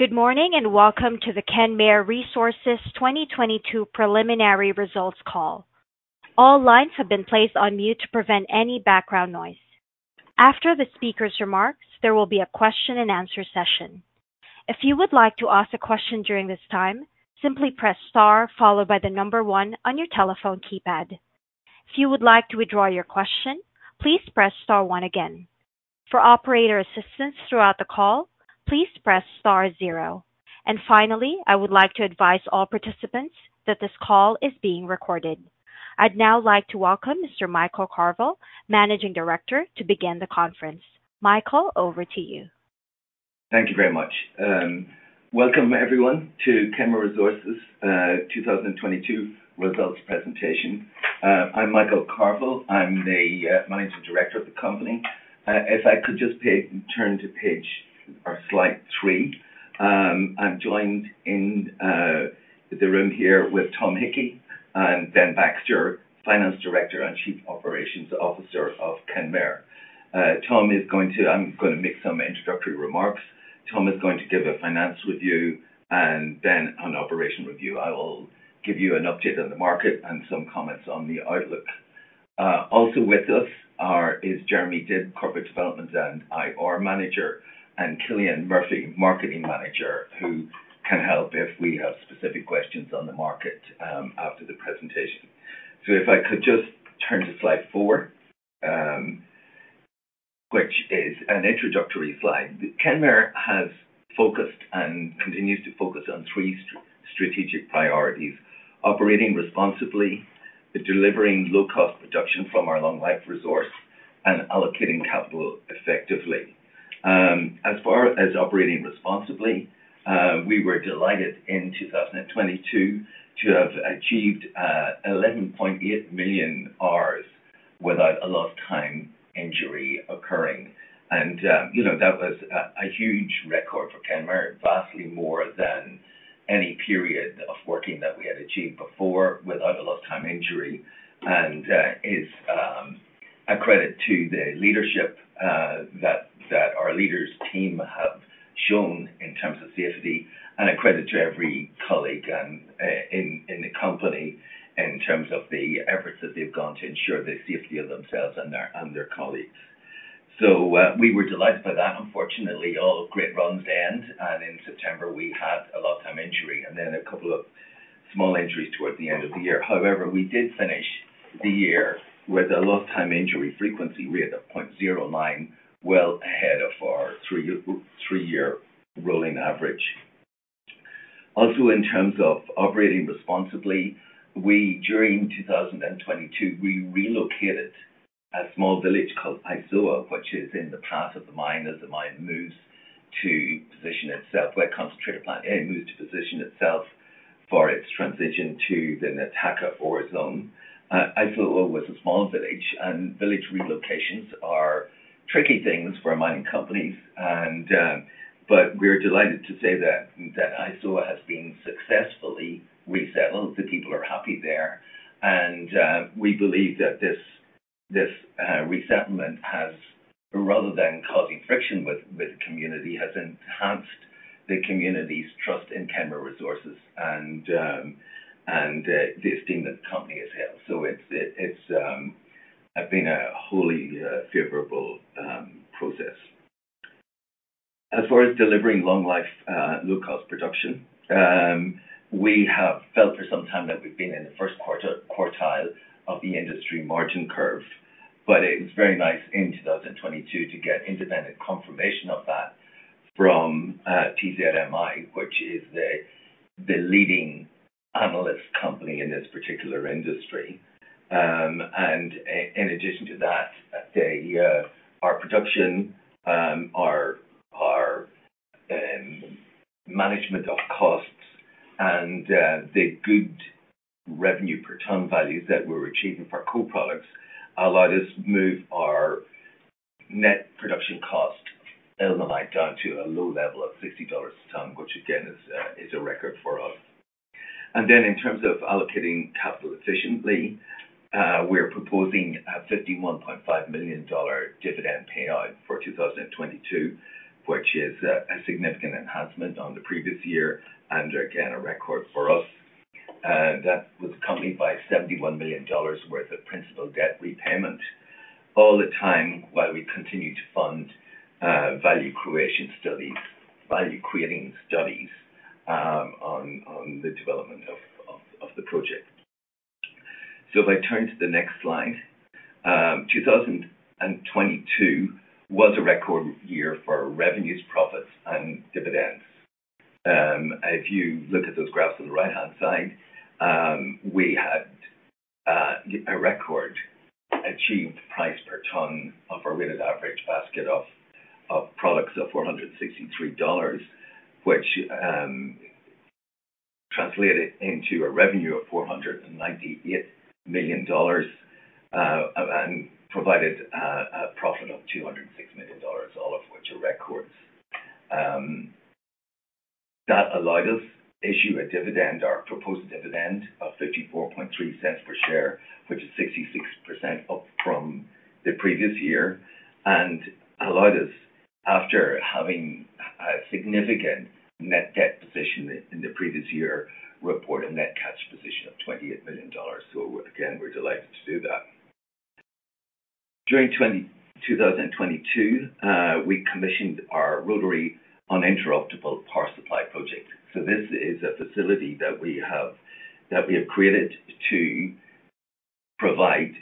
Good morning, welcome to the Kenmare Resources 2022 preliminary results call. All lines have been placed on mute to prevent any background noise. After the speaker's remarks, there will be a question-and-answer session. If you would like to ask a question during this time, simply press star followed by one on your telephone keypad. If you would like to withdraw your question, please press star one again. For operator assistance throughout the call, please press star zero. Finally, I would like to advise all participants that this call is being recorded. I'd now like to welcome Mr. Michael Carvill, Managing Director, to begin the conference. Michael, over to you. Thank you very much. Welcome everyone to Kenmare Resources 2022 results presentation. I'm Michael Carvill. I'm the Managing Director of the company. If I could just turn to page or slide 3. I'm joined in the room here with Tom Hickey and Ben Baxter, Finance Director and Chief Operations Officer of Kenmare. I'm going to make some introductory remarks. Tom is going to give a finance review and then an operation review. I will give you an update on the market and some comments on the outlook. Also with us is Jeremy Dibb, Corporate Development and IR Manager, and Cillian Murphy, Marketing Manager, who can help if we have specific questions on the market after the presentation. If I could just turn to slide 4, which is an introductory slide. Kenmare has focused and continues to focus on three strategic priorities: operating responsibly, delivering low-cost production from our long-life resource, and allocating capital effectively. As far as operating responsibly, we were delighted in 2022 to have achieved 11.8 million hours without a lost time injury occurring. You know, that was a huge record for Kenmare, vastly more than any period of working that we had achieved before without a lost time injury. It's a credit to the leadership that our leaders team have shown in terms of safety and a credit to every colleague in the company in terms of the efforts that they've gone to ensure the safety of themselves and their colleagues. We were delighted by that. Unfortunately, all great runs end, and in September, we had a lost time injury, and then a couple of small injuries towards the end of the year. However, we did finish the year with a lost time injury frequency rate of 0.09, well ahead of our three-year rolling average. Also, in terms of operating responsibly, during 2022, we relocated a small village called Isoa, which is in the path of the mine, as the mine moves to position itself, where Concentrate Plant A moves to position itself for its transition to the Nataka ore zone. Isoa was a small village, and village relocations are tricky things for mining companies. We're delighted to say that Isoa has been successfully resettled. The people are happy there. We believe that this resettlement has, rather than causing friction with the community, has enhanced the community's trust in Kenmare Resources and the esteem that the company has held. So it's been a wholly favorable process. As far as delivering long life, low cost production, we have felt for some time that we've been in the first quartile of the industry margin curve. It's very nice in 2022 to get independent confirmation of that from TZMI, which is the leading analyst company in this particular industry. In addition to that, the our production, our our management of costs and the good revenue per ton values that we're achieving for our co-products allowed us move our net production cost, ilmenite, down to a low level of $60 a ton, which again is a record for us. In terms of allocating capital efficiently, we're proposing a $51.5 million dividend payout for 2022, which is a significant enhancement on the previous year and again, a record for us. That was accompanied by $71 million worth of principal debt repayment, all the time while we continue to fund value-creating studies on the development of the project. If I turn to the next slide. 2022 was a record year for revenues, profits, and dividends. If you look at those graphs on the right-hand side, we had a record achieved price per ton of our weighted average basket of products of $463, which translated into a revenue of $498 million, and provided a profit of $206 million, all of which are records. That allowed us issue a dividend or proposed dividend of $0.543 per share, which is 66% up from the previous year, and allowed us, after having a significant net debt position in the previous year, report a net cash position of $28 million. Again, we're delighted to do that. During 2022, we commissioned our Rotary Uninterruptible Power Supply project. This is a facility that we have created to provide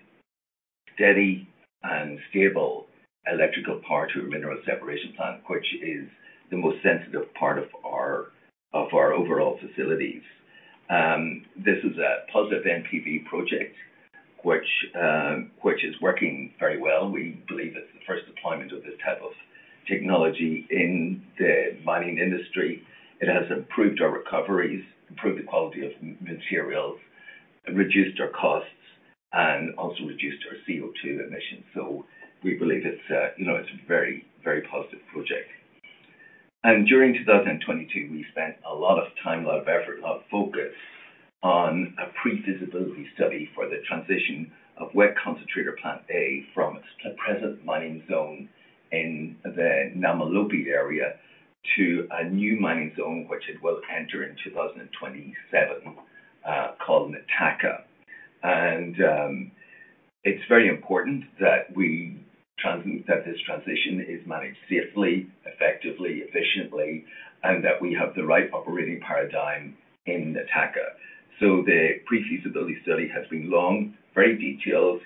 steady and stable electrical power to our Mineral Separation Plant, which is the most sensitive part of our overall facilities. This is a positive NPV project, which is working very well. We believe it's the first deployment of this type of technology in the mining industry. It has improved our recoveries, improved the quality of materials, reduced our costs, and also reduced our CO2 emissions. We believe it's, you know, a very positive project. During 2022, we spent a lot of time, a lot of effort, a lot of focus on a pre-feasibility study for the transition of Wet Concentrator Plant A from its present mining zone in the Namalope area to a new mining zone, which it will enter in 2027, called Nataka. It's very important that this transition is managed safely, effectively, efficiently, and that we have the right operating paradigm in Nataka. The pre-feasibility study has been long, very detailed,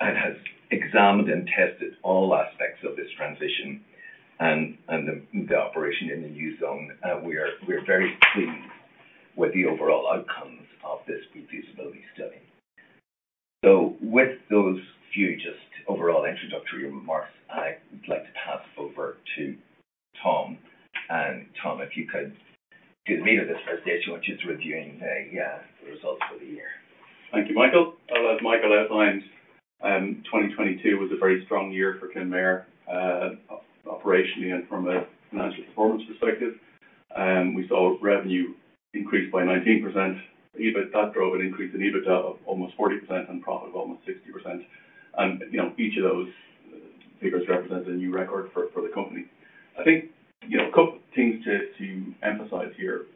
and has examined and tested all aspects of this transition and the operation in the new zone. We're very pleased with the overall outcomes of this pre-feasibility study. With those few just overall introductory remarks, I would like to pass over to Tom. Tom, if you could do the meat of this presentation, which is reviewing the results for the year. Thank you, Michael. Well, as Michael outlined, 2022 was a very strong year for Kenmare, operationally and from a financial performance perspective. We saw revenue increase by 19%. That drove an increase in EBITDA of almost 40% and profit of almost 60%. You know, each of those figures represents a new record for the company. I think, you know, a couple things to emphasize here.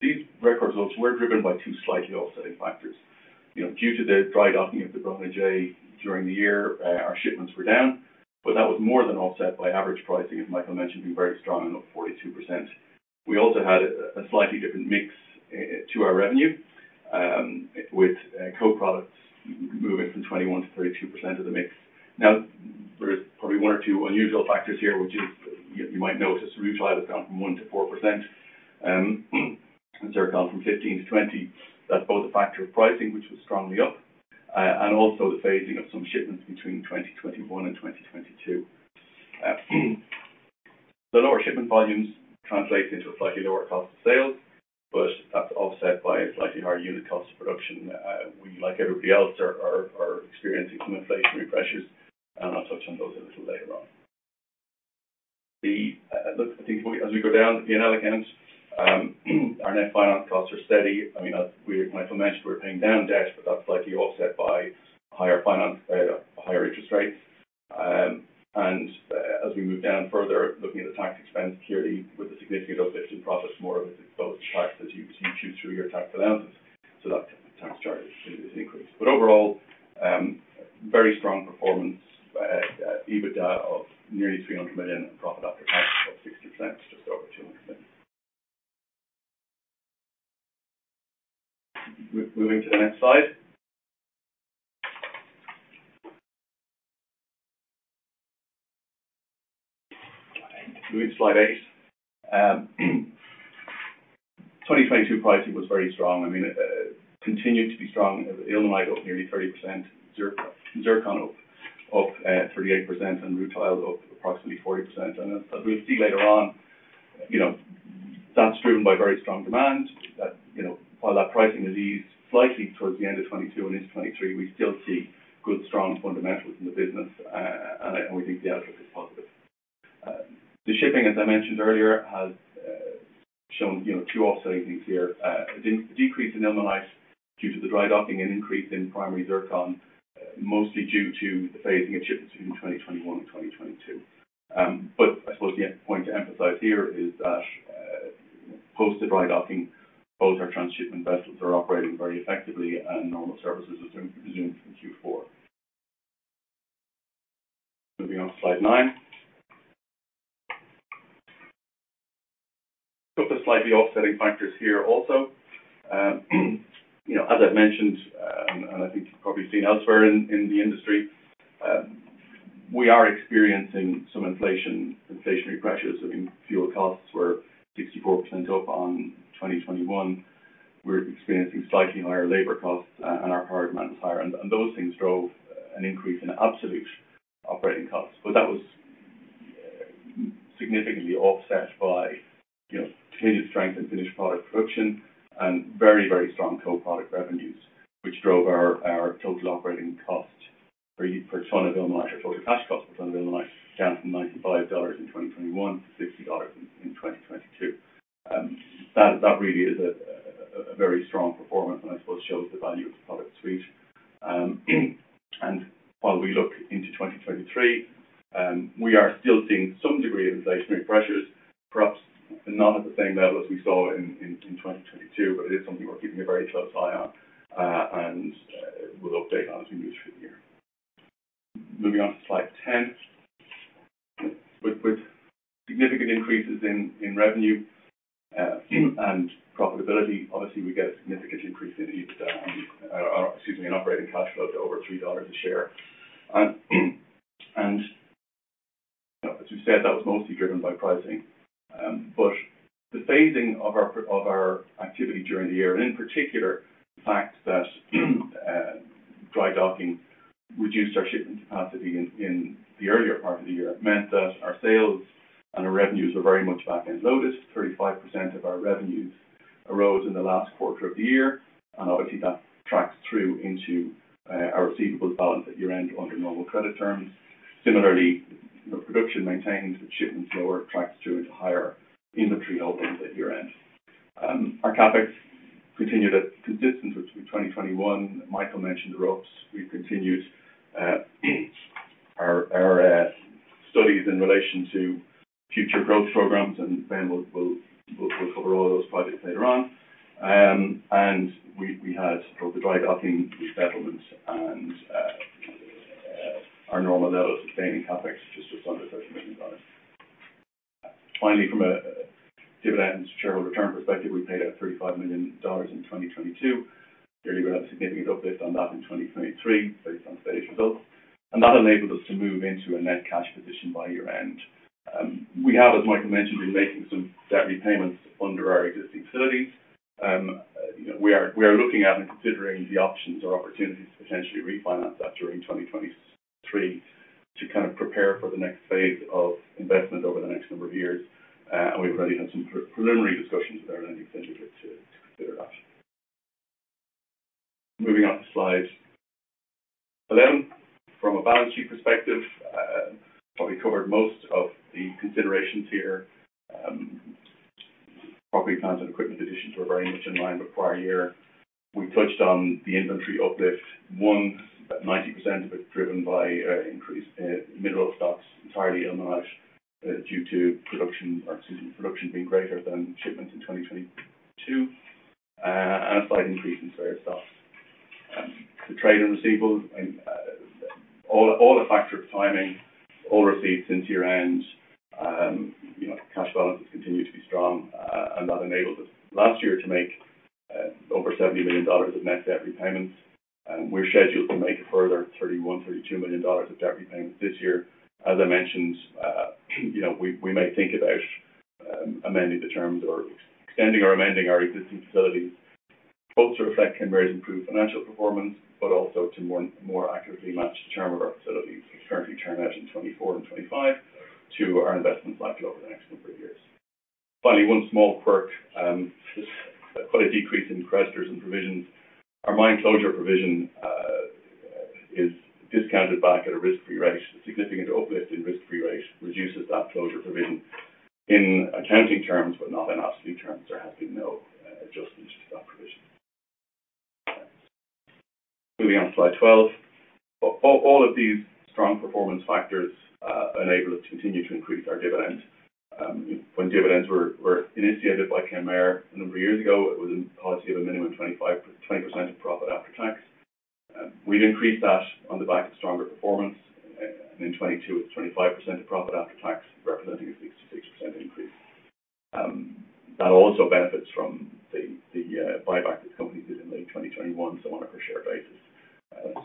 These record results were driven by two slightly offsetting factors. You know, due to the dry docking of the Bronagh J during the year, our shipments were down, but that was more than offset by average pricing, as Michael mentioned, being very strong and up 42%. We also had a slightly different mix to our revenue, with co-products moving from 21% to 32% of the mix. There is probably one or two unusual factors here, which is you might notice rutile has gone from 1%-4%, and zircon from 15%-20%. That's both a factor of pricing, which was strongly up, and also the phasing of some shipments between 2021 and 2022. The lower shipment volumes translate into a slightly lower cost of sales, but that's offset by a slightly higher unit cost of production. We, like everybody else are experiencing some inflationary pressures, and I'll touch on those a little later on. As we go down the P&L accounts, our net finance costs are steady. I mean, as we, Michael mentioned, we're paying down debt, but that's slightly offset by higher finance, higher interest rates. As we move down further, looking at the tax expense, clearly with a significant offsetting process, more of it goes to tax as you chew through your tax balances. That tax charge is increased. Overall, very strong performance at EBITDA of nearly $300 million and profit after tax of 60%, just over $200 million. Moving to the next slide. Moving to slide 8. 2022 pricing was very strong. I mean, continued to be strong. Ilmenite up nearly 30%, zircon up 38%, and rutile up approximately 40%. As we'll see later on, you know, that's driven by very strong demand that, you know, while that pricing has eased slightly towards the end of 22 and into 23, we still see good, strong fundamentals in the business. We think the outlook is positive. The shipping, as I mentioned earlier, has shown, you know, two offsetting things here. A decrease in ilmenite due to the dry docking and increase in primary zircon, mostly due to the phasing of shipments between 2021 and 2022. I suppose the point to emphasize here is that, you know, post the dry docking, both our transshipment vessels are operating very effectively and normal services resumed in Q4. Moving on to slide 9. Couple of slightly offsetting factors here also. You know, as I've mentioned, I think you've probably seen elsewhere in the industry, we are experiencing some inflationary pressures. I mean, fuel costs were 64% up on 2021. We're experiencing slightly higher labor costs, and our hire amount is higher. Those things drove an increase in absolute operating costs. That was, you know, significantly offset by continued strength in finished product production and very, very strong co-product revenues, which drove our total operating cost per ton of ilmenite or total cash cost per ton of ilmenite down from $95 in 2021 to $60 in 2022. That really is a very strong performance, and I suppose shows the value of the product suite. While we look into 2023, we are still seeing some degree of inflationary pressures, perhaps not at the same level as we saw in 2022, but it is something we're keeping a very close eye on and will update on as we move through the year. Moving on to slide 10. With significant increases in revenue and profitability. Obviously, we get a significant increase in EPS, or excuse me, an operating cash flow of over $3 a share. That was mostly driven by pricing. The phasing of our activity during the year, and in particular, the fact that dry docking reduced our shipment capacity in the earlier part of the year, meant that our sales and our revenues were very much back-end loaded. 35% of our revenues arose in the last quarter of the year, that tracks through into our receivables balance at year-end under normal credit terms. Production maintained with shipments lower tracks through into higher inventory holdings at year-end. Our CapEx continued at consistent with 2021. Michael mentioned the RUPS. We've continued our studies in relation to future growth programs, Ben will cover all of those projects later on. We had both the dry docking resettlements and our normal level of sustaining CapEx, just under $30 million. Finally, from a dividend shareholder return perspective, we paid out $35 million in 2022. Clearly, we're going to have a significant uplift on that in 2023 based on today's results. That enabled us to move into a net cash position by year-end. We have, as Michael mentioned, been making some debt repayments under our existing facilities. You know, we are looking at and considering the options or opportunities to potentially refinance that during 2023 to kind of prepare for the next phase of investment over the next number of years. We've already had some preliminary discussions with our lending syndicate to consider that. Moving on to slides. From a balance sheet perspective, probably covered most of the considerations here. Property, plant and equipment additions were very much in line with prior year. We touched on the inventory uplift. 90% of it driven by increased mineral stocks, entirely ilmenite, due to production being greater than shipments in 2022. A slight increase in spare stocks. The trade and receivables and all the factor of timing, all receipts into year-end. You know, cash balances continue to be strong. That enabled us last year to make over $70 million of net debt repayments. We're scheduled to make a further $31 million-$32 million of debt repayments this year. As I mentioned, you know, we may think about amending the terms or extending or amending our existing facilities, both to reflect Kenmare's improved financial performance, but also to more accurately match the term of our facilities, which currently turn out in 2024 and 2025 to our investment cycle over the next number of years. Finally, one small quirk, quite a decrease in creditors and provisions. Our mine closure provision is discounted back at a risk-free rate. A significant uplift in risk-free rate reduces that closure provision in accounting terms, but not in absolute terms. There has been no adjustment to that provision. Moving on to slide 12. All of these strong performance factors enable us to continue to increase our dividend. When dividends were initiated by Kenmare a number of years ago, it was a policy of a minimum 25, 20% of profit after tax. We've increased that on the back of stronger performance. In 2022, it's 25% of profit after tax, representing a 66% increase. That also benefits from the buyback that the company did in late 2021. On a per share basis,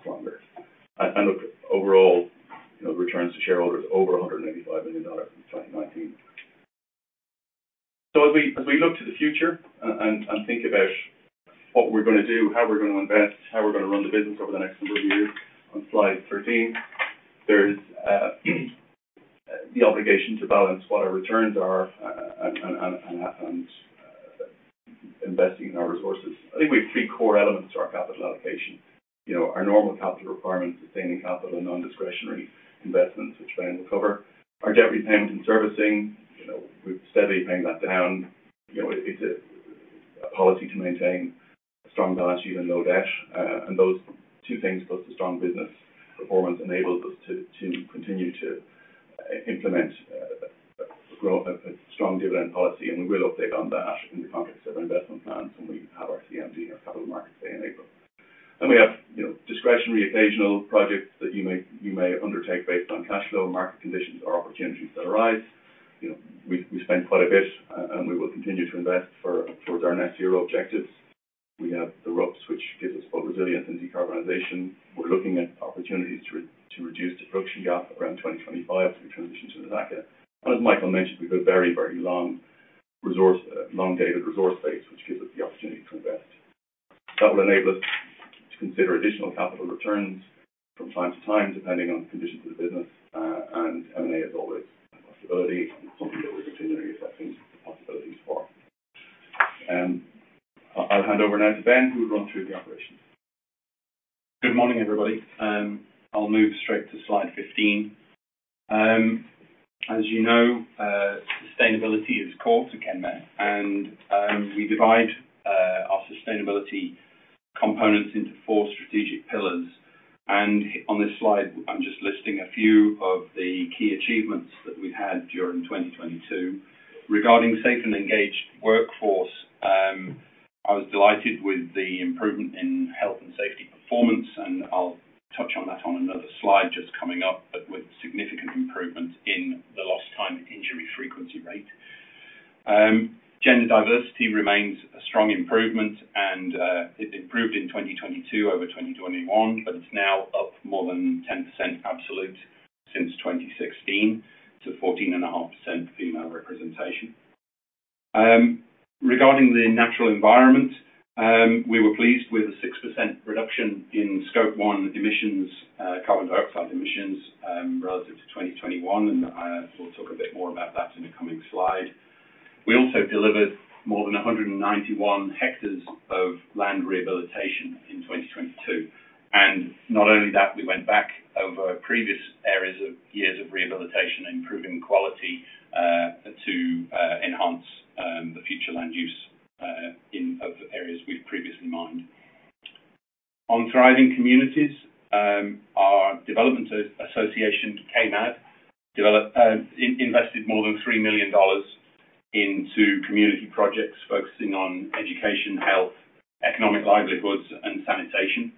stronger. Look, overall, you know, returns to shareholders over $185 million in 2019. As we, as we look to the future and think about what we're gonna do, how we're gonna invest, how we're gonna run the business over the next number of years, on slide 13, there's the obligation to balance what our returns are and investing in our resources. I think we have three core elements to our capital allocation. You know, our normal capital requirements, sustaining capital and non-discretionary investments, which Ben will cover. Our debt repayment and servicing. You know, we've steadily paying that down. You know, it's a policy to maintain strong balance sheet and low debt. Those two things, plus the strong business performance, enables us to continue to implement a grow up a strong dividend policy. We will update on that in the context of our investment plans when we have our CMD, our Capital Markets Day in April. We have, you know, discretionary occasional projects that you may undertake based on cash flow, market conditions or opportunities that arise. You know, we spent quite a bit and we will continue to invest for, towards our next year objectives. We have the RUPS, which gives us both resilience and decarbonization. We're looking at opportunities to reduce the production gap around 2025 as we transition to Nataka. As Michael mentioned, we've a very long resource, long dated resource base, which gives us the opportunity to invest. That will enable us to consider additional capital returns from time to time, depending on the conditions of the business, and M&A is always a possibility and something that we're continually assessing. I'll hand over now to Ben, who will run through the operations. Good morning, everybody. I'll move straight to slide 15. As you know, sustainability is core to Kenmare, we divide our sustainability components into four strategic pillars. On this slide, I'm just listing a few of the key achievements that we've had during 2022. Regarding safe and engaged workforce, I was delighted with the improvement in health and safety performance, I'll touch on that on another slide just coming up, but with significant improvements in the Lost Time Injury Frequency Rate. Gender diversity remains a strong improvement, it improved in 2022 over 2021, but it's now up more than 10% absolute since 2016 to 14.5% female representation. Regarding the natural environment, we were pleased with a 6% reduction in Scope 1 emissions, carbon dioxide emissions, relative to 2021. We'll talk a bit more about that in the coming slide. We also delivered more than 191 hectares of land rehabilitation in 2022. Not only that, we went back over previous areas of years of rehabilitation, improving quality, to enhance the future land use of areas we've previously mined. On thriving communities, our development association, KMAD, invested more than $3 million into community projects focusing on education, health, economic livelihoods, and sanitation.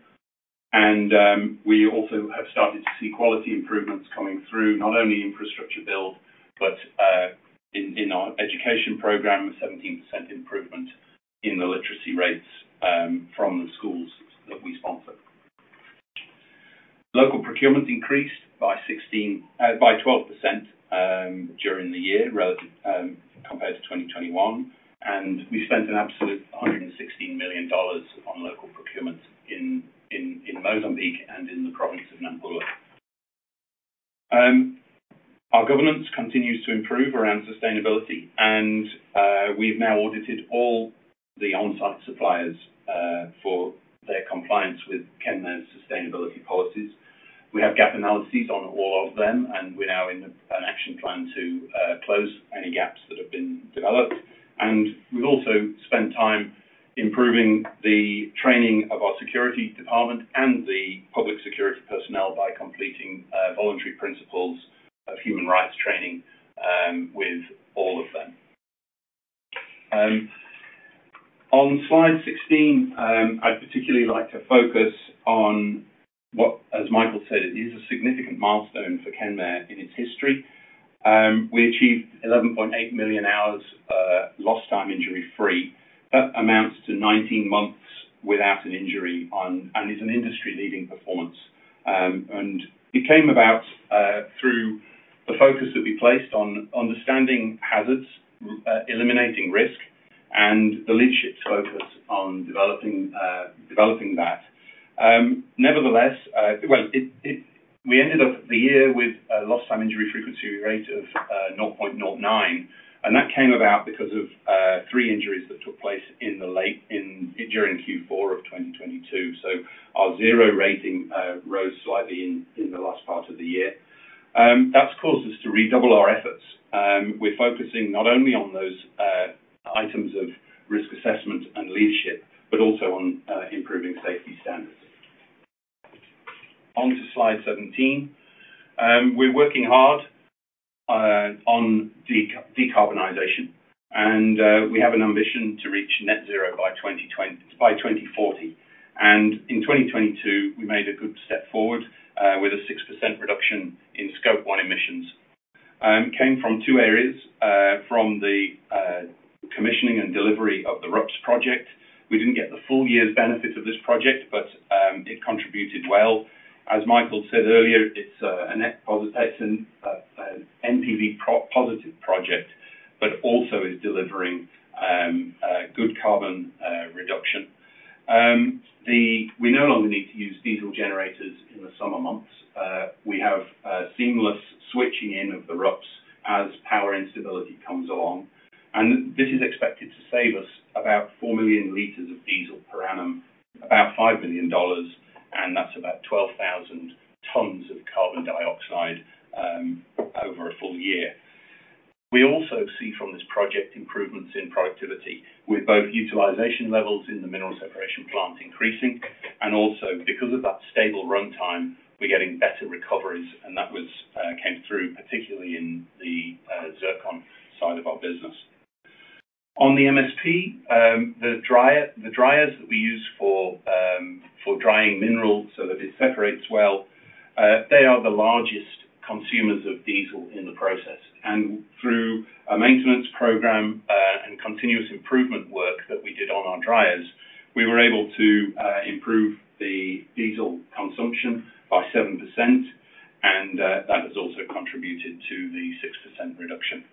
We also have started to see quality improvements coming through not only infrastructure build, but in our education program, a 17% improvement in the literacy rates from the schools that we sponsor. Local procurement increased by 12% during the year relative compared to 2021, and we spent an absolute $116 million on local procurement in Mozambique and in the province of Nampula. Our governance continues to improve around sustainability, and we've now audited all the on-site suppliers for their compliance with Kenmare's sustainability policies. We have gap analyses on all of them, and we're now in an action plan to close any gaps that have been developed. We've also spent time improving the training of our security department and the public security personnel by completing Voluntary Principles on Security and Human Rights training with all of them. On slide 16, I'd particularly like to focus on what. As Michael said, it is a significant milestone for Kenmare in its history. We achieved 11.8 million hours lost time, injury-free. That amounts to 19 months without an injury on, and is an industry-leading performance. It came about through the focus that we placed on understanding hazards, eliminating risk, and the leadership's focus on developing that. Nevertheless, we ended up the year with a lost time injury frequency rate of 0.09, and that came about because of three injuries that took place in the late, during Q4 of 2022. Our zero rating rose slightly in the last part of the year. That's caused us to redouble our efforts. We're focusing not only on those items of risk assessment and leadership, but also on improving safety standards. On to slide 17. We're working hard on decarbonization, and we have an ambition to reach net zero by 2040. In 2022, we made a good step forward with a 6% reduction in Scope 1 emissions. It came from two areas. From the commissioning and delivery of the RUPS project. We didn't get the full year's benefits of this project, but it contributed well. As Michael said earlier, it's a net positive, it's an NPV pro-positive project, but also is delivering good carbon reduction. The, we no longer need to use diesel generators in the summer months. We have seamless switching in of the RUPS as power instability comes along. This is expected to save us about 4 million liters of diesel per annum, about $5 million, and that's about 12,000 tons of carbon dioxide over a full year. We also see from this project improvements in productivity with both utilization levels in the Mineral Separation Plant increasing and also because of that stable runtime, we're getting better recoveries, and that was came through, particularly in the zircon side of our business. On the MSP, the dryers that we use for drying minerals so that it separates well, they are the largest consumers of diesel in the process. Through a maintenance program and continuous improvement work that we did on our dryers, we were able to improve the diesel consumption by 7%, and that has also contributed to the 6% reduction.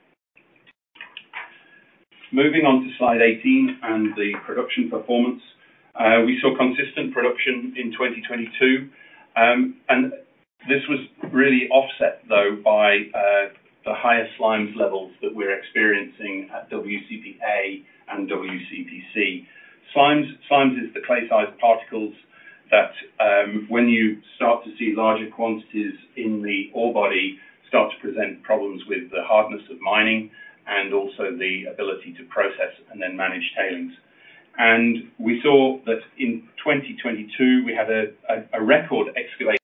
Moving on to slide 18 and the production performance. We saw consistent production in 2022. This was really offset, though, by the highest slimes levels that we're experiencing at WCP A and WCP C. Slimes is the clay-sized particles that, when you start to see larger quantities in the ore body, start to present problems with the hardness of mining and also the ability to process and then manage tailings. We saw that in 2022, we had a record excavation.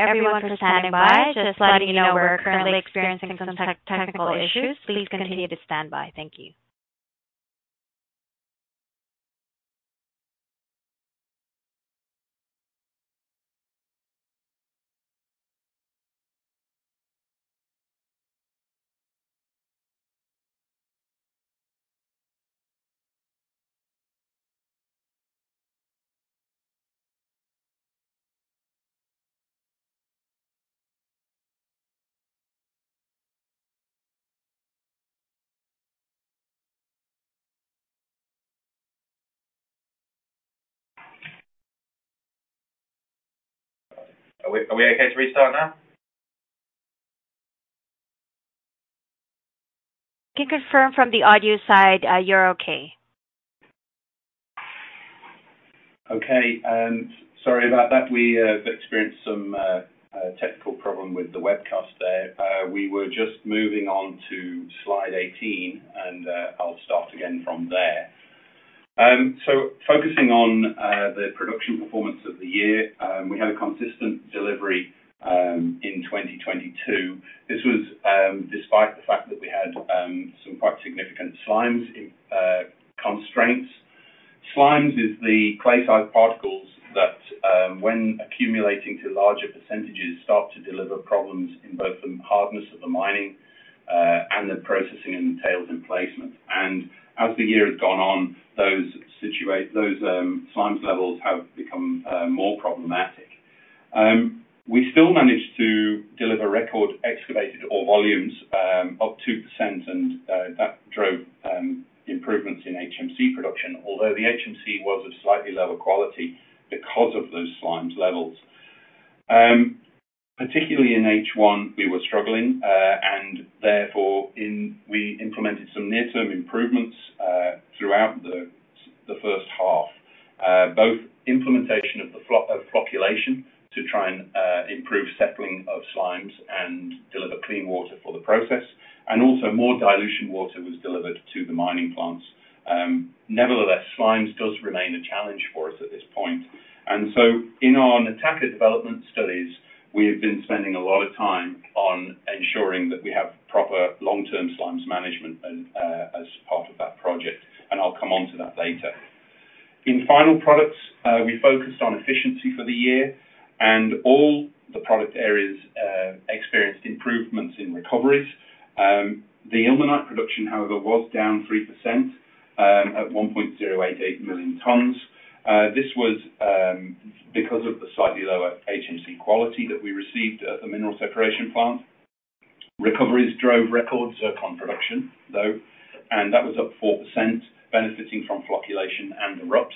Everyone for standing by. Just letting you know we're currently experiencing some technical issues. Please continue to stand by. Thank you. Are we okay to restart now? I can confirm from the audio side, you're okay. Okay. Sorry about that. We experienced some technical problem with the webcast there. We were just moving on to slide 18, and I'll start again from there. Focusing on the production performance of the year. We had a consistent delivery in 2022. This was despite the fact that we had some quite significant slimes in constraints. Slimes is the clay-sized particles that, when accumulating to larger %, start to deliver problems in both the hardness of the mining and the processing and the tails and placement. As the year has gone on, those slimes levels have become more problematic. We still managed to deliver record excavated ore volumes, up 2%, and that drove improvements in HMC production. Although the HMC was of slightly lower quality because of those slimes levels. Particularly in H1, we were struggling, and therefore we implemented some near-term improvements throughout the first half. Both implementation of flocculation to try and improve settling of slimes and deliver clean water for the process. Also more dilution water was delivered to the mining plants. Nevertheless, slimes does remain a challenge for us at this point. So in our Nataka development studies, we have been spending a lot of time on ensuring that we have proper long-term slimes management, as part of that project. I'll come on to that later. In final products, we focused on efficiency for the year, and all the product areas experienced improvements in recoveries. The ilmenite production, however, was down 3% at 1.088 million tons. This was because of the slightly lower HMC quality that we received at the Mineral Separation Plant. Recoveries drove records of concentration, though, and that was up 4%, benefiting from flocculation and the RUPS.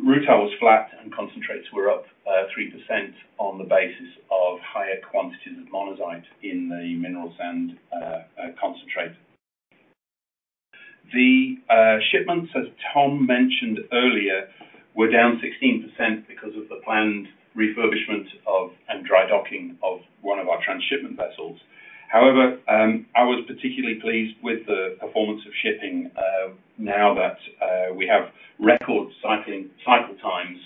Rutile was flat, and concentrates were up 3% on the basis of higher quantities of monazite in the mineral sand concentrate. Shipments, as Tom mentioned earlier, were down 16% because of the planned refurbishment of and dry docking of one of our transshipment vessels. However, I was particularly pleased with the performance of shipping, now that we have record cycle times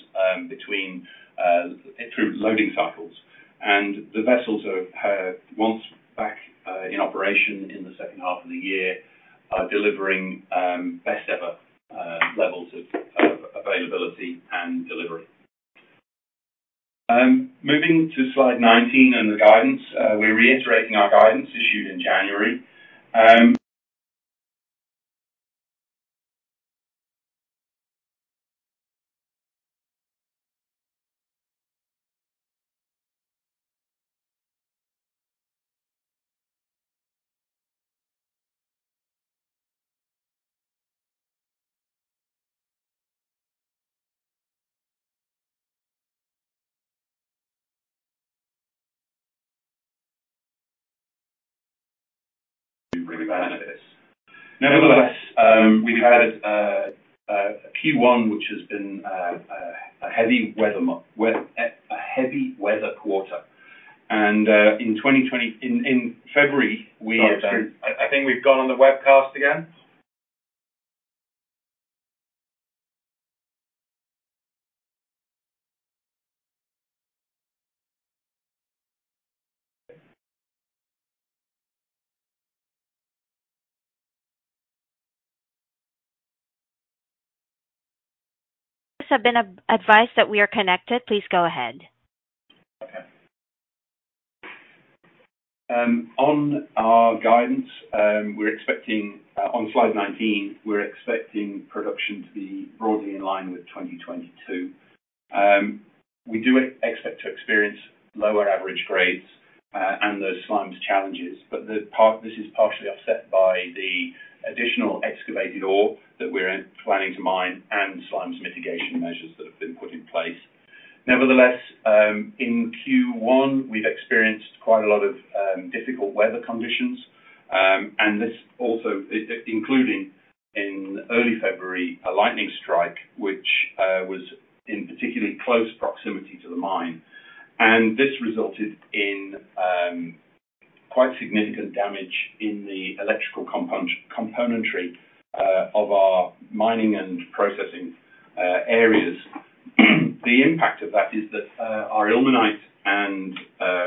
between through loading cycles. The vessels are once back in operation in the second half of the year, are delivering best ever levels of availability and delivery. Moving to slide 19 and the guidance. We're reiterating our guidance issued in January. We bring benefits. Nevertheless, we've had Q1 which has been a heavy weather quarter. In February, we Sorry, I think we've gone on the webcast again. Have been advised that we are connected. Please go ahead. Okay. On our guidance, we're expecting on slide 19, we're expecting production to be broadly in line with 2022. We do expect to experience lower average grades and those slimes challenges, but this is partially offset by the additional excavated ore that we're planning to mine and slimes mitigation measures that have been put in place. In Q1, we've experienced quite a lot of difficult weather conditions. This also including in early February, a lightning strike, which was in particularly close proximity to the mine. This resulted in quite significant damage in the electrical componentry of our mining and processing areas. The impact of that is that our ilmenite and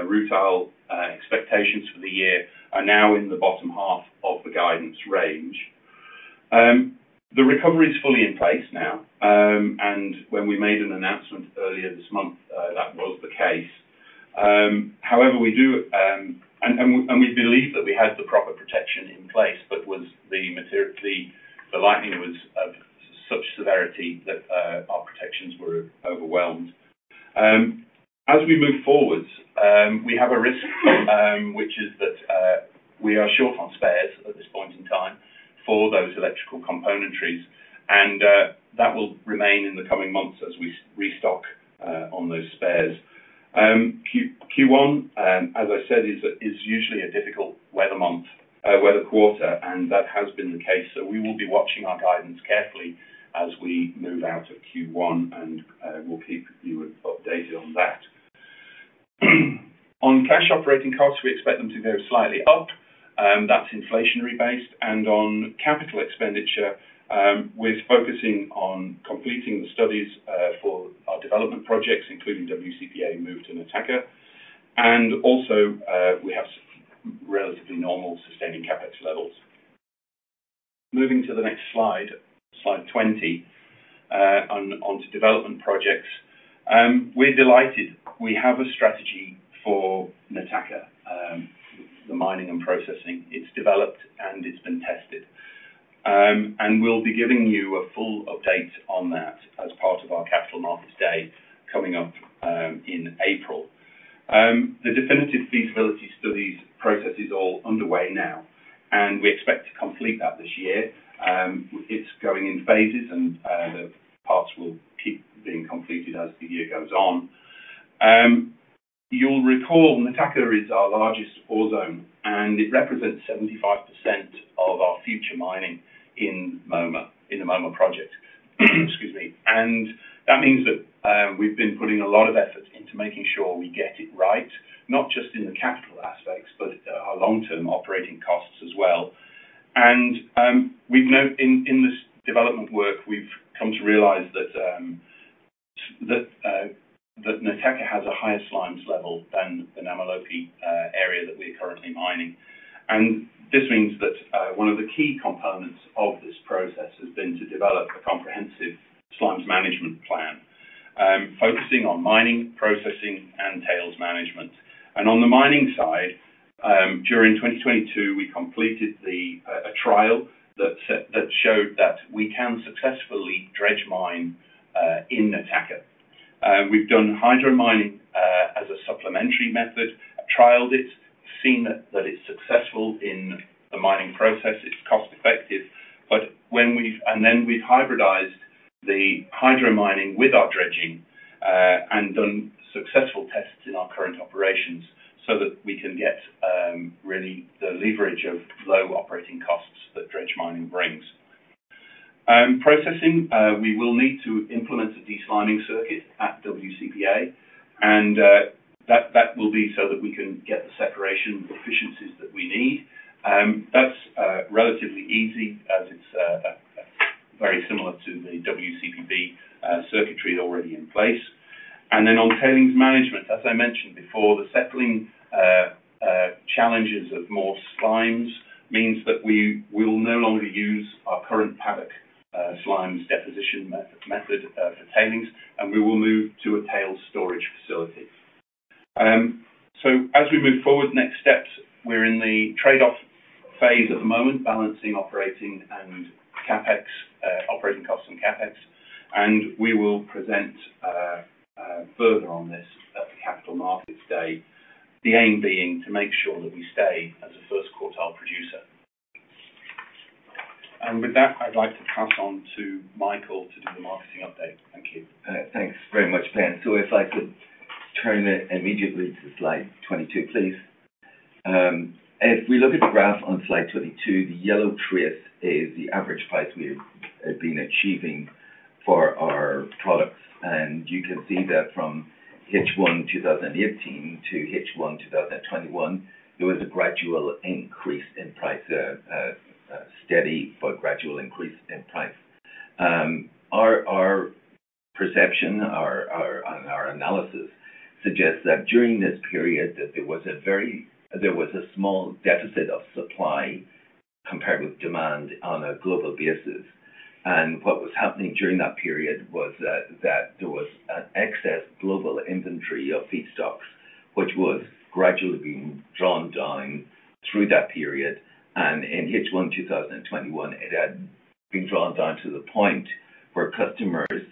rutile expectations for the year are now in the bottom half of the guidance range. The recovery is fully in place now. When we made an announcement earlier this month, that was the case. However, we do, and we believe that we had the proper protection in place, but the lightning was of such severity that our protections were overwhelmed. As we move forward, we have a risk, which is that we are short on spares at this point in time for those electrical componentries, and that will remain in the coming months as we restock on those spares. Q1, as I said, is usually a difficult weather month, weather quarter, and that has been the case. We will be watching our guidance carefully as we move out of Q1, and we'll keep you updated on that. On cash operating costs, we expect them to go slightly up, that's inflationary based. On capital expenditure, we're focusing on completing the studies for our development projects, including WCPA, Movet and Nataka. Also, we have relatively normal sustaining CapEx levels. Moving to the next slide 20, on to development projects. We're delighted. We have a strategy for Nataka, the mining and processing. It's developed and it's been tested. We'll be giving you a full update on that as part of our Capital Markets Day coming up in April. The definitive feasibility studies process is all underway now, and we expect to complete that this year. It's going in phases and the parts will keep being completed as the year goes on. You'll recall Nataka is our largest ore zone, it represents 75% of our future mining in Moma, in the Moma project. Excuse me. That means that we've been putting a lot of effort into making sure we get it right, not just in the capital aspects, but our long-term operating costs as well. In this development work, we've come to realize that Nataka has a higher slimes level than the Namalope area that we're currently mining. This means that one of the key components of this process has been to develop a comprehensive slimes management plan, focusing on mining, processing and tails management. On the mining side, during 2022, we completed a trial that showed that we can successfully dredge mine in Nataka. We've done hydro mining as a supplementary method, trialed it, seen that it's successful in the mining process. It's cost-effective. Then we've hybridized the hydro mining with our dredging and done successful tests in our current operations so that we can get really the leverage of low operating costs that dredge mining brings. Processing, we will need to implement a desliming circuit at WCPA, and that will be so that we can get the separation efficiencies that we need. That's relatively easy as it's very similar to the WCPB circuitry already in place. On tailings management, as I mentioned before, the settling challenges of more slimes means that we will no longer use our current paddock slimes deposition method for tailings, and we will move to a Tailings Storage Facility. As we move forward, next steps, we're in the trade-off phase at the moment, balancing operating and CapEx, operating costs and CapEx, and we will present further on this at the Capital Markets Day. The aim being to make sure that we stay as a first quartile producer. With that, I'd like to pass on to Michael to do the marketing update. Thank you. Thanks very much, Ben. If I could turn it immediately to slide 22, please. If we look at the graph on slide 22, the yellow trace is the average price we've been achieving for our products. You can see that from H1 2018 to H1 2021, there was a gradual increase in price, steady but gradual increase in price. Our perception, our, and our analysis suggests that during this period that there was a small deficit of supply compared with demand on a global basis. What was happening during that period was that there was an excess global inventory of feedstocks, which was gradually being drawn down through that period. In H1 2021, it had been drawn down to the point where customers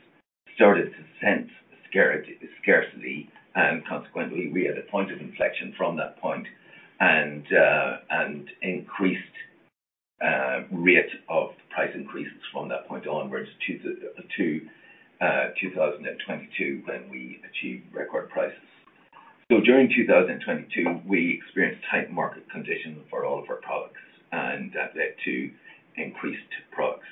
started to sense scarcity, and consequently, we had a point of inflection from that point and increased rate of the price increases from that point onwards to 2022 when we achieved record prices. During 2022, we experienced tight market conditions for all of our products, and that led to increased products.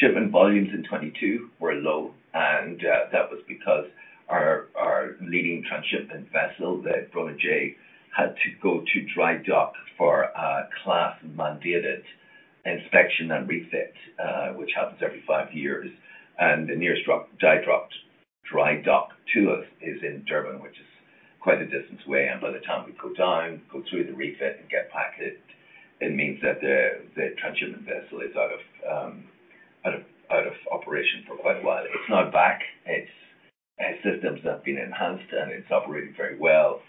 Shipment volumes in 2022 were low, and that was because our leading transshipment vessel, the Bronagh J, had to go to dry dock for a class-mandated inspection and refit, which happens every five years. The nearest dry dock to us is in Durban, which is quite a distance away. By the time we go down, go through the refit and get back, it means that the transshipment vessel is out of operation for quite a while. It's now back. Its systems have been enhanced, and it's operating very well.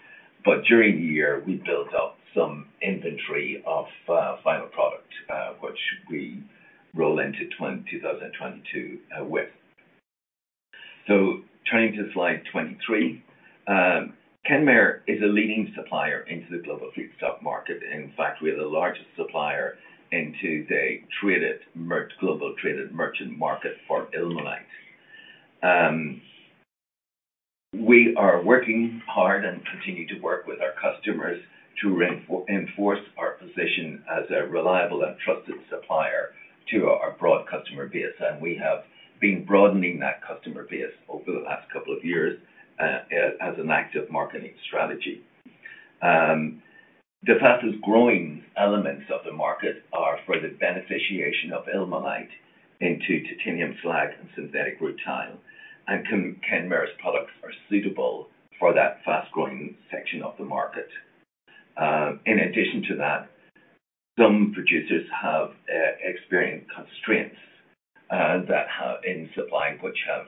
During the year, we built up some inventory of final product, which we roll into 2022 with. Turning to slide 23. Kenmare is a leading supplier into the global feedstock market. In fact, we're the largest supplier into the global traded merchant market for ilmenite. We are working hard and continue to work with our customers to enforce our position as a reliable and trusted supplier to our broad customer base. We have been broadening that customer base over the last couple of years as an active marketing strategy. The fastest-growing elements of the market are for the beneficiation of ilmenite into titanium slag and synthetic rutile, and Kenmare's products are suitable for that fast-growing section of the market. In addition to that, some producers have experienced constraints that have in supplying, which have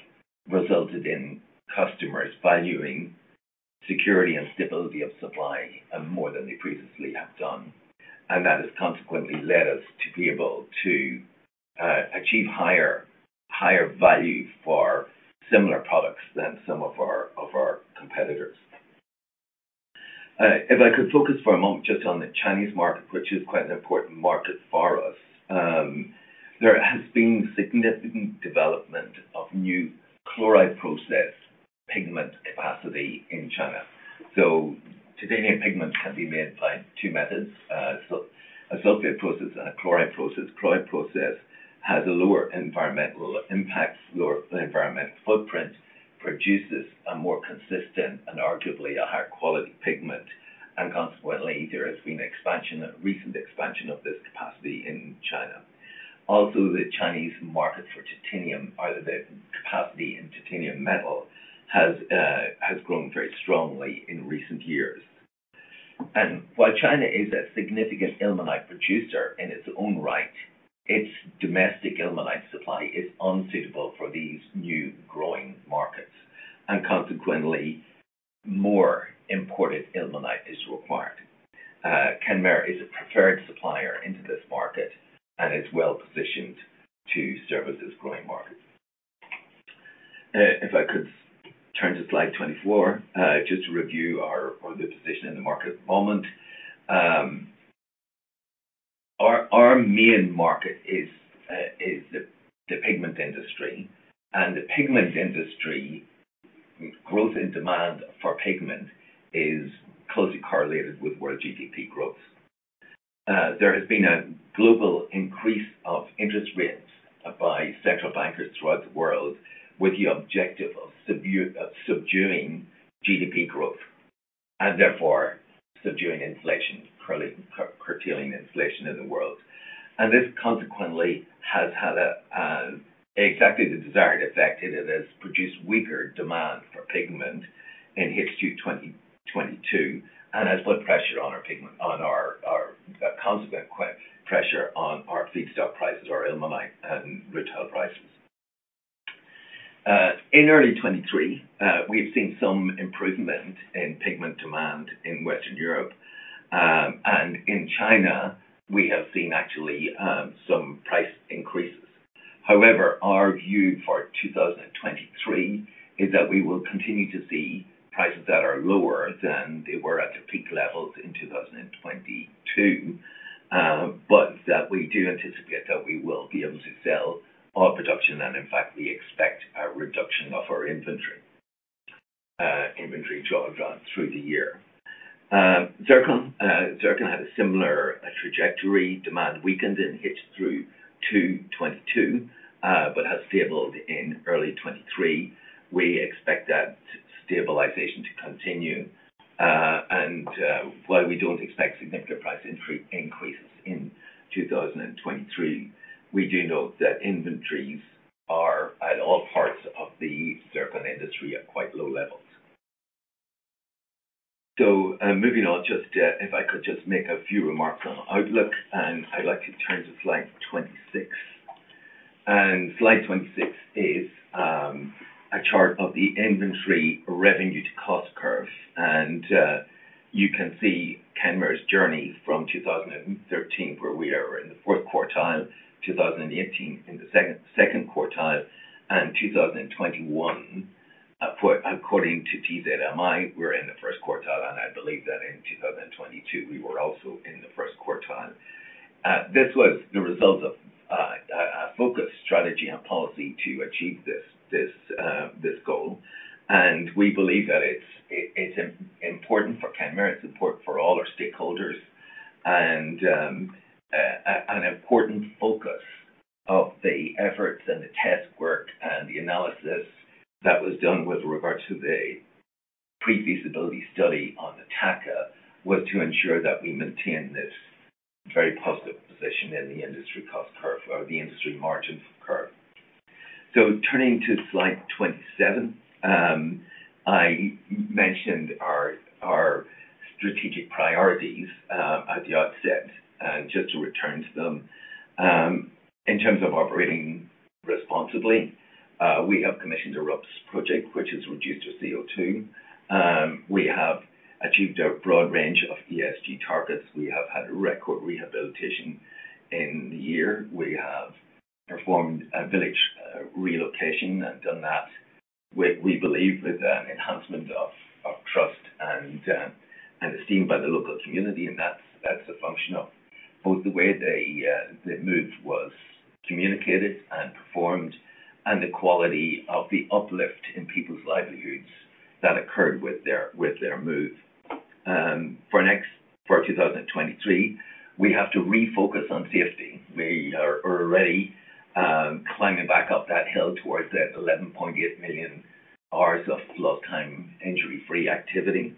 resulted in customers valuing security and stability of supply more than they previously have done. That has consequently led us to be able to achieve higher value for similar products than some of our competitors. If I could focus for a moment just on the Chinese market, which is quite an important market for us. There has been significant development of new chloride process pigment capacity in China. Titanium pigments can be made by two methods. A sulfate process and a chloride process. Chloride process has a lower environmental impact, lower environmental footprint, produces a more consistent and arguably a higher quality pigment. Consequently, there has been a recent expansion of this capacity in China. Also, the Chinese market for titanium, or the capacity in titanium metal has grown very strongly in recent years. While China is a significant ilmenite producer in its own right, its domestic ilmenite supply is unsuitable for these new growing markets, and consequently, more imported ilmenite is required. Kenmare is a preferred supplier into this market and is well-positioned to service this growing market. If I could turn to slide 24, just to review our good position in the market at the moment. Our main market is the pigment industry. The pigment industry growth in demand for pigment is closely correlated with world GDP growth. There has been a global increase of interest rates by central bankers throughout the world with the objective of subduing GDP growth, and therefore subduing inflation, curtailing inflation in the world. This consequently has had exactly the desired effect. It has produced weaker demand for pigment in H2 2022 and has put pressure on our pigment, pressure on our feedstock prices, our ilmenite and rutile prices. In early 2023, we've seen some improvement in pigment demand in Western Europe. In China, we have seen actually some price increases. Our view for 2023 is that we will continue to see prices that are lower than they were at the peak levels in 2022, that we do anticipate that we will be able to sell all production, and in fact, we expect a reduction of our inventory jobs through the year. Zircon had a similar trajectory. Demand weakened in H3 2022, has stabled in early 2023. We expect that stabilization to continue. While we don't expect significant price increases in 2023, we do note that inventories are at all parts of the zircon industry at quite low levels. Moving on, just, if I could just make a few remarks on outlook, I'd like to turn to slide 26. Slide 26 is a chart of the ilmenite revenue to cost curve. You can see Kenmare's journey from 2013, where we are in the 4th quartile, 2018 in the 2nd quartile, and 2021. According to TZMI, we're in the 1st quartile, and I believe that in 2022, we were also in the 1st quartile. This was the result of a focused strategy and policy to achieve this goal. We believe that it's important for Kenmare, it's important for all our stakeholders. An important focus of the efforts and the test work and the analysis that was done with regard to the pre-feasibility study on the Nataka was to ensure that we maintain this very positive position in the industry cost curve or the industry margin curve. Turning to slide 27, I mentioned our strategic priorities at the outset, just to return to them. In terms of operating responsibly, we have commissioned a RUPS project which has reduced our CO2. We have achieved a broad range of ESG targets. We have had record rehabilitation in the year. We have performed a village relocation and done that with, we believe, with an enhancement of trust and esteem by the local community. That's a function of both the way the move was communicated and performed and the quality of the uplift in people's livelihoods that occurred with their move. For 2023, we have to refocus on safety. We are already climbing back up that hill towards that 11.8 million hours of lost time injury-free activity.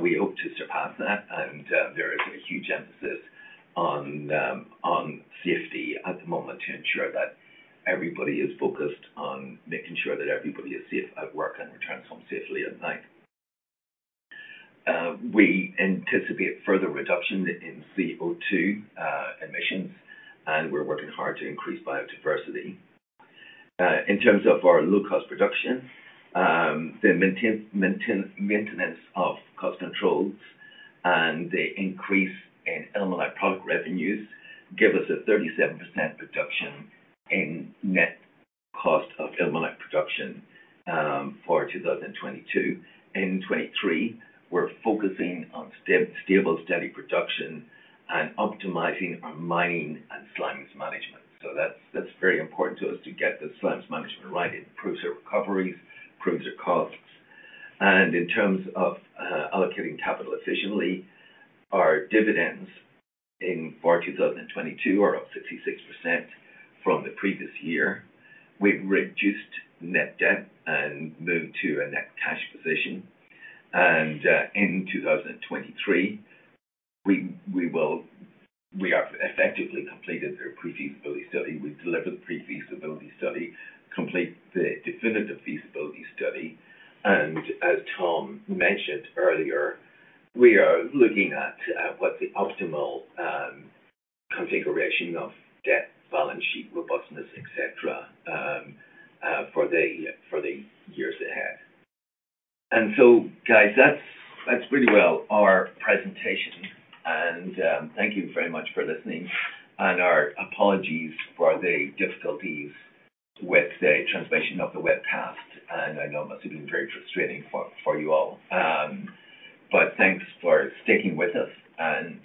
We hope to surpass that. There is a huge emphasis on safety at the moment to ensure that everybody is focused on making sure that everybody is safe at work and returns home safely at night. We anticipate further reduction in CO2 emissions, and we're working hard to increase biodiversity. In terms of our low-cost production, the maintenance of cost controls and the increase in ilmenite product revenues give us a 37% reduction in net cost of ilmenite production for 2022. In 2023, we're focusing on stable, steady production and optimizing our mining and slimes management. That's very important to us to get the slimes management right. It improves our recoveries, improves our costs. In terms of allocating capital efficiently, our dividends for 2022 are up 66% from the previous year. We've reduced net debt and moved to a net cash position. In 2023, We have effectively completed a pre-feasibility study. We've delivered pre-feasibility study, complete the definitive feasibility study. As Tom mentioned earlier, we are looking at what the optimal configuration of debt, balance sheet robustness, et cetera, for the years ahead. Guys, that's pretty well our presentation. Thank you very much for listening. Our apologies for the difficulties with the transmission of the webcast. I know it must have been very frustrating for you all. Thanks for sticking with us and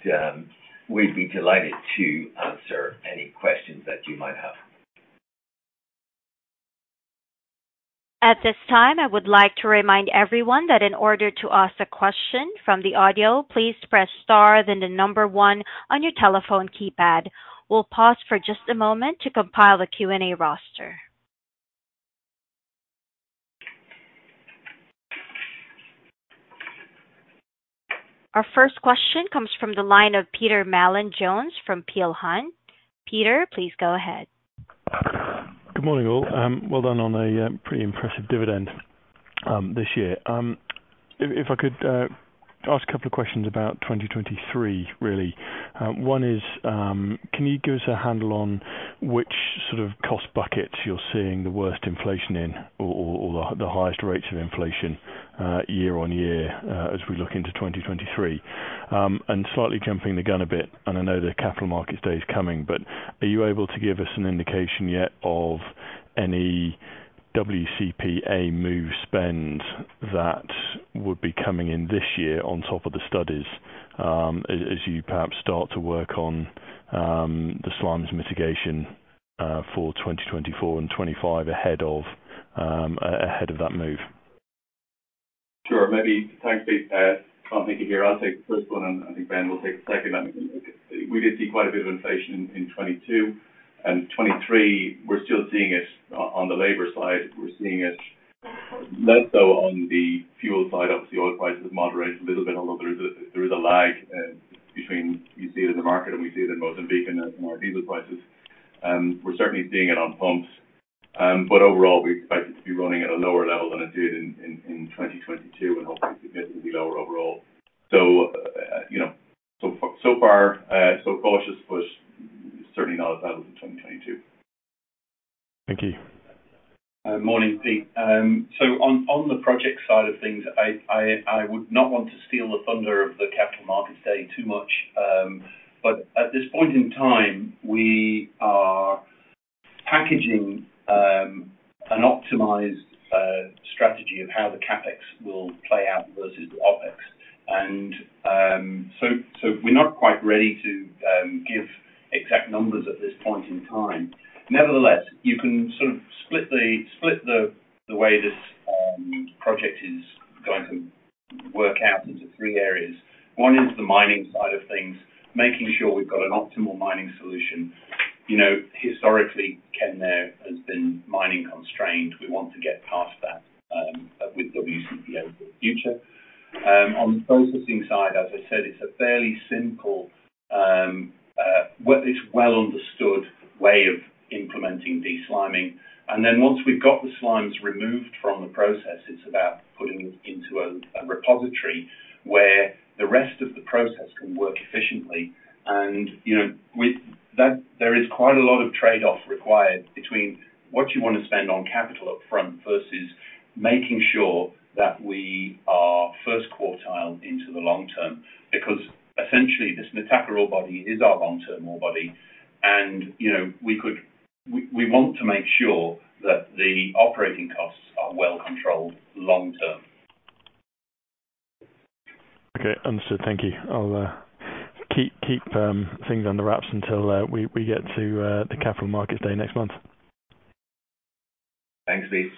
we'd be delighted to answer any questions that you might have. At this time, I would like to remind everyone that in order to ask a question from the audio, please press star then one on your telephone keypad. We'll pause for just a moment to compile a Q&A roster. Our first question comes from the line of Peter Mallin-Jones from Peel Hunt. Peter, please go ahead. Good morning, all. Well done on a pretty impressive dividend this year. If I could ask a couple of questions about 2023, really. One is, can you give us a handle on which sort of cost buckets you're seeing the worst inflation in or the highest rates of inflation year on year as we look into 2023? Slightly jumping the gun a bit, and I know the Capital Markets Day is coming, but are you able to give us an indication yet of any WCPA move spend that would be coming in this year on top of the studies as you perhaps start to work on the slimes mitigation for 2024 and 2025 ahead of that move? Sure. Thanks, Peter. Tom Hickey here. I'll take the first one, and I think Ben will take the second. We did see quite a bit of inflation in 2022 and 2023, we're still seeing it on the labor side. We're seeing it less so on the fuel side. Obviously, oil prices moderated a little bit, although there is a lag between you see it in the market and we see it in Mozambique and our diesel prices. We're certainly seeing it on pumps. Overall, we expect it to be running at a lower level than it did in 2022 and hopefully significantly lower overall. You know, so far, so cautious, certainly not as bad as in 2022. Thank you. Morning, Peter. On the project side of things, I would not want to steal the thunder of the Capital Markets Day too much. At this point in time, we are packaging an optimized strategy of how the CapEx will play out versus the OpEx. We're not quite ready to give exact numbers at this point in time. Nevertheless, you can sort of split the way this project is going to work out into three areas. One is the mining side of things, making sure we've got an optimal mining solution. You know, historically, Kenmare has been mining constrained. We want to get past that with WCP A for the future. On the processing side, as I said, it's a fairly simple. It's well understood way of implementing desliming. Once we've got the slimes removed from the process, it's about putting it into a repository where the rest of the process can work efficiently. You know, with that, there is quite a lot of trade-off required between what you wanna spend on capital upfront versus making sure that we are first quartile into the long term. Essentially, this Nataka ore body is our long-term ore body. You know, we want to make sure that the operating costs are well controlled long term. Okay. Understood. Thank you. I'll keep things under wraps until we get to the Capital Markets Day next month. Thanks, Peter.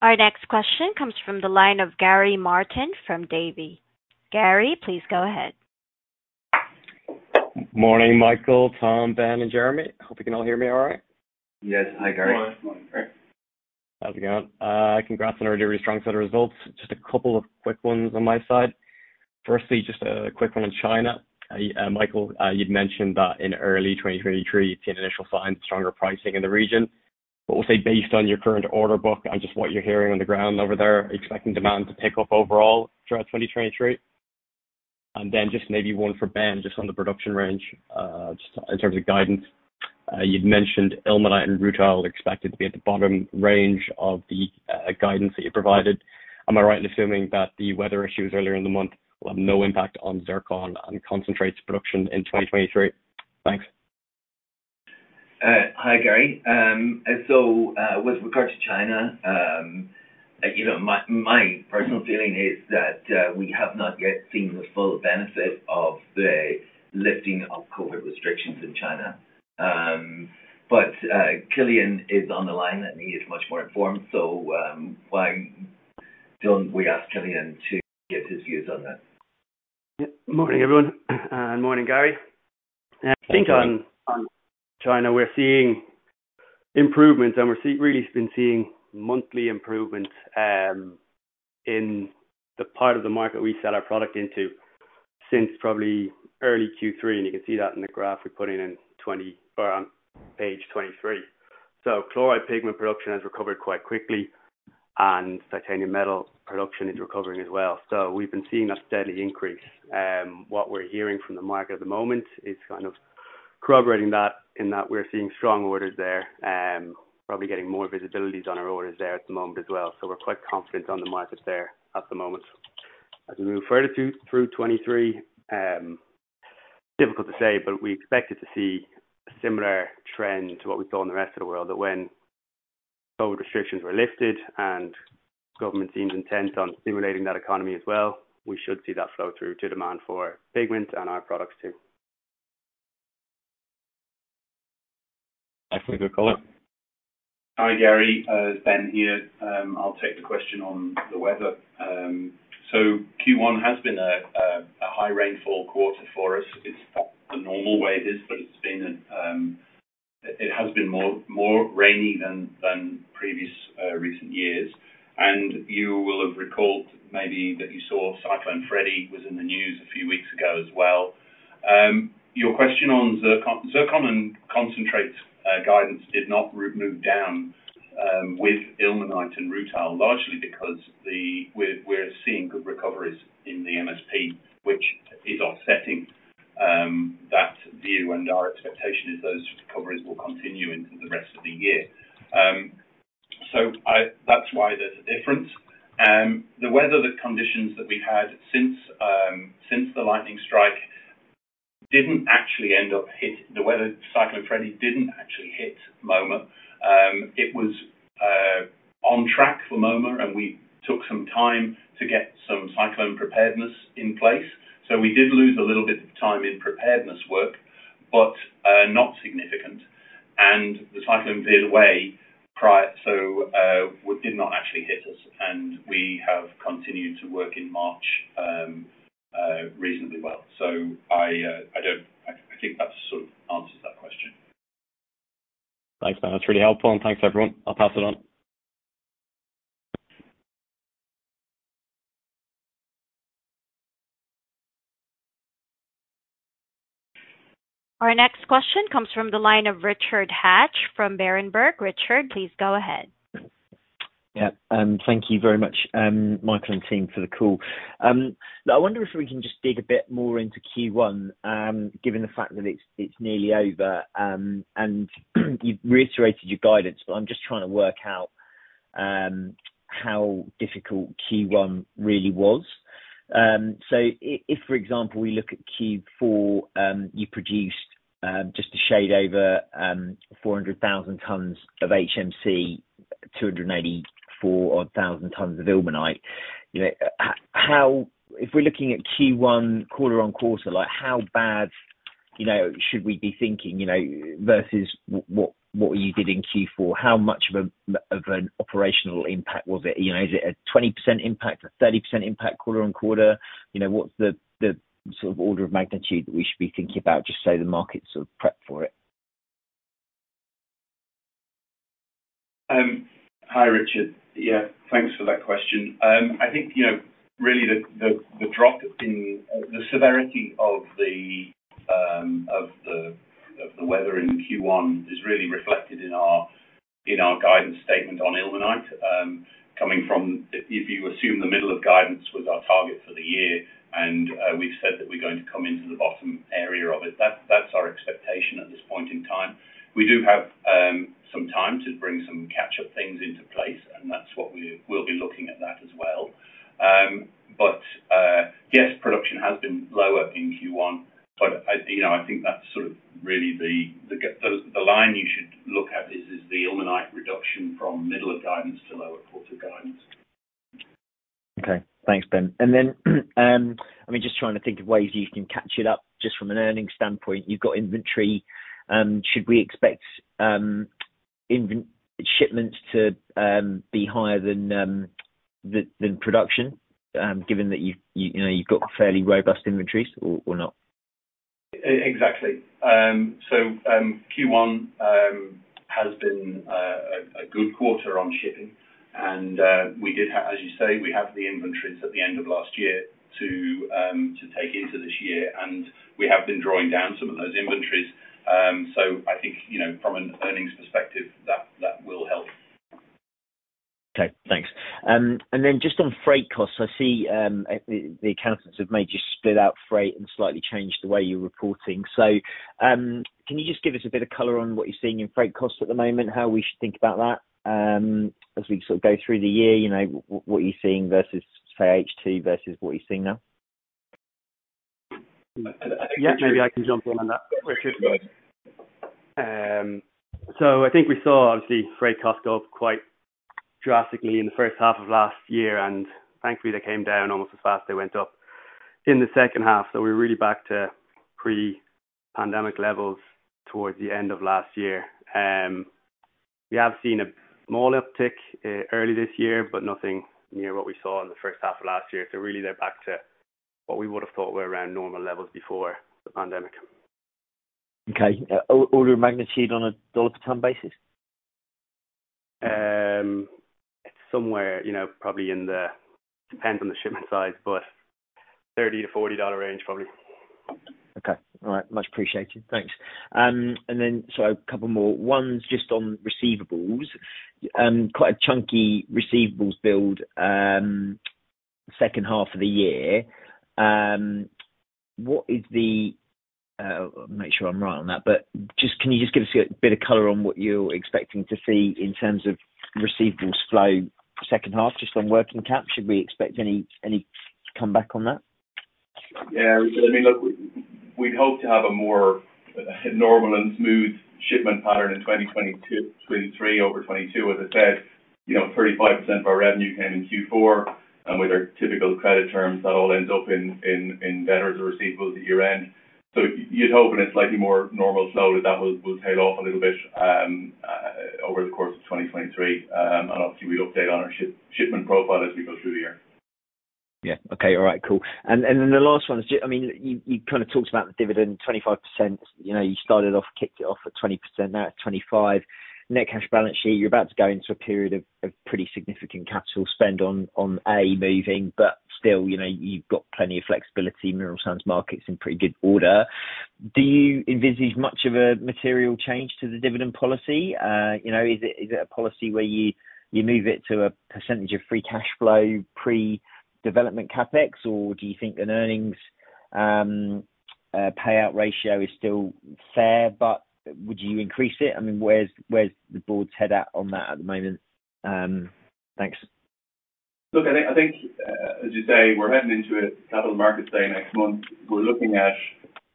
Our next question comes from the line of Gary Martin from Davy. Gary, please go ahead. Morning, Michael, Tom, Ben, and Jeremy. Hope you can all hear me all right. Yes. Hi, Gary. How's it going? Congrats on a really strong set of results. Just a couple of quick ones on my side. Just a quick one on China. Michael, you'd mentioned that in early 2023, you'd seen initial signs of stronger pricing in the region. We'll say based on your current order book and just what you're hearing on the ground over there, are you expecting demand to pick up overall throughout 2023? Just maybe one for Ben, just on the production range, just in terms of guidance. You'd mentioned ilmenite and rutile are expected to be at the bottom range of the guidance that you provided. Am I right in assuming that the weather issues earlier in the month will have no impact on zircon and concentrates production in 2023? Thanks. Hi, Gary. With regard to China, you know, my personal feeling is that we have not yet seen the full benefit of the lifting of COVID restrictions in China. Cillian is on the line, and he is much more informed. Why don't we ask Cillian to give his views on that? Morning, everyone. Morning, Gary. I think on China, we're seeing improvements, we're really been seeing monthly improvements in the part of the market we sell our product into since probably early Q3. You can see that in the graph we put in on page 23. Chloride pigment production has recovered quite quickly, titanium metal production is recovering as well. We've been seeing a steady increase. What we're hearing from the market at the moment is kind of corroborating that in that we're seeing strong orders there, probably getting more visibilities on our orders there at the moment as well. We're quite confident on the market there at the moment. As we move further through 2023, difficult to say, but we expected to see a similar trend to what we saw in the rest of the world, that when COVID restrictions were lifted and government seemed intent on stimulating that economy as well, we should see that flow through to demand for pigment and our products too. Actually, good call out. Hi, Gary. It's Ben here. I'll take the question on the weather. Q1 has been a high rainfall quarter for us. It's not the normal way it is, but it has been more rainy than previous recent years. You will have recalled maybe that you saw Cyclone Freddy was in the news a few weeks ago as well. Your question on zircon. Zircon and concentrates guidance did not re-move down with ilmenite and rutile, largely because we're seeing good recoveries in the MSP, which is offsetting that view. Our expectation is those recoveries will continue into the rest of the year. That's why there's a difference. The weather conditions that we had since the lightning strike didn't actually end up hit. Cyclone Freddy didn't actually hit Moma. It was on track for Moma, and we took some time to get some cyclone preparedness in place. We did lose a little bit of time in preparedness work, but not significant. The cyclone veered away, so we did not actually hit us, and we have continued to work in March reasonably well. I think that sort of answers that question. Thanks, Ben. That's really helpful. Thanks, everyone. I'll pass it on. Our next question comes from the line of Richard Hatch from Berenberg. Richard, please go ahead. Yeah. Thank you very much, Michael and team for the call. I wonder if we can just dig a bit more into Q1, given the fact that it's nearly over. You've reiterated your guidance, but I'm just trying to work out how difficult Q1 really was. If for example, we look at Q4, you produced, just a shade over, 400,000 tons of HMC, 284,000 odd tons of ilmenite. You know, how if we're looking at Q1 quarter-on-quarter, like how bad, you know, should we be thinking, you know, versus what you did in Q4? How much of a, of an operational impact was it? You know, is it a 20% impact, a 30% impact quarter-on-quarter? You know, what's the sort of order of magnitude that we should be thinking about, just so the market's sort of prepped for it? Hi, Richard. Yeah, thanks for that question. I think, you know, really the severity of the weather in Q1 is really reflected in our guidance statement on ilmenite. Coming from if you assume the middle of guidance was our target for the year, and we've said that we're going to come into the bottom area of it, that's our expectation at this point in time. We do have some time to bring some catch-up things into place, and that's what we'll be looking at that as well. Yes, production has been lower in Q1, but I, you know, I think that's sort of really the line you should look at is the ilmenite reduction from middle of guidance to lower quarter guidance. Okay. Thanks, Ben. I mean, just trying to think of ways you can catch it up just from an earnings standpoint. You've got inventory. Should we expect shipments to be higher than production, given that you know, you've got fairly robust inventories or not? Exactly. Q1 has been a good quarter on shipping, and as you say, we have the inventories at the end of last year to take into this year, and we have been drawing down some of those inventories. I think, you know, from an earnings perspective, that will help. Okay, thanks. Just on freight costs, I see, the accountants have made you split out freight and slightly changed the way you're reporting. Can you just give us a bit of color on what you're seeing in freight costs at the moment? How we should think about that, as we sort of go through the year. You know, what you're seeing versus, say, H2 versus what you're seeing now. I. Yeah, maybe I can jump in on that. You should go ahead. I think we saw obviously freight costs go up quite drastically in the 1st half of last year, and thankfully they came down almost as fast as they went up in the 2nd half. We're really back to pre-pandemic levels towards the end of last year. We have seen a small uptick early this year, but nothing near what we saw in the 1st half of last year. Really they're back to what we would've thought were around normal levels before the pandemic. Okay. Order of magnitude on a dollar per ton basis? It's somewhere, you know, probably Depends on the shipment size, but $30-$40 range probably. Okay. All right. Much appreciated. Thanks. A couple more. One's just on receivables. Quite a chunky receivables build, second half of the year. What is the... make sure I'm right on that, but can you just give us a bit of color on what you're expecting to see in terms of receivables flow second half, just on working cap? Should we expect any comeback on that? I mean, look, we'd hope to have a more normal and smooth shipment pattern in 2022-2023 over 2022. As I said, you know, 35% of our revenue came in Q4, and with our typical credit terms, that all ends up in debtors or receivables at year-end. You'd hope in a slightly more normal flow that that will tail off a little bit over the course of 2023. Obviously we update on our shipment profile as we go through the year. Yeah. Okay. All right, cool. Then the last one is I mean, you kind of talked about the dividend 25%. You know, you started off, kicked it off at 20%, now at 25. Net cash balance sheet, you're about to go into a period of pretty significant capital spend on moving, but still, you know, you've got plenty of flexibility. Mineral sands market's in pretty good order. Do you envisage much of a material change to the dividend policy? You know, is it a policy where you move it to a percentage of free cash flow pre-development CapEx? Do you think an earnings payout ratio is still fair, but would you increase it? I mean, where's the board's head at on that at the moment? Thanks. Look, I think, as you say, we're heading into a Capital Markets Day next month. We're looking at,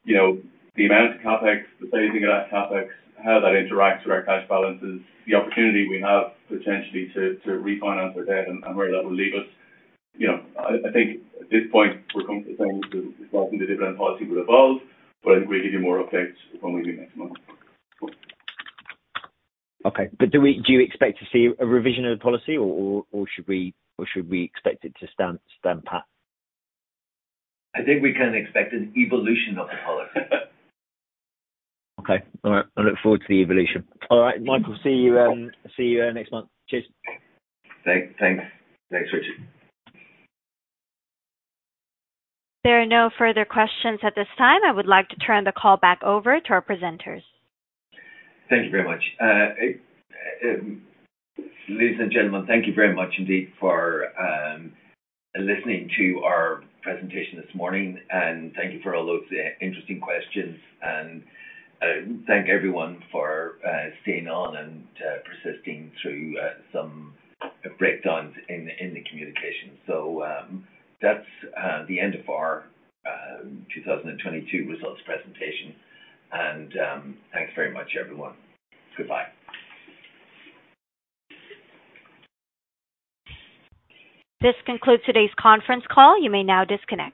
you know, the amount of CapEx, the phasing of that CapEx, how that interacts with our cash balances, the opportunity we have potentially to refinance our debt and where that will leave us. You know, I think at this point we're comfortable saying the dividend policy will evolve, but we'll give you more updates when we meet next month. Do you expect to see a revision of the policy or should we expect it to stand pat? I think we can expect an evolution of the policy. All right. I look forward to the evolution. All right, Michael, see you, see you, next month. Cheers. Thanks. Thanks, Richard. There are no further questions at this time. I would like to turn the call back over to our presenters. Thank you very much. ladies and gentlemen, thank you very much indeed for listening to our presentation this morning, and thank you for all those interesting questions. Thank everyone for staying on and persisting through some breakdowns in the communication. That's the end of our 2022 results presentation. Thanks very much, everyone. Goodbye. This concludes today's conference call. You may now disconnect.